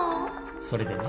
それでね。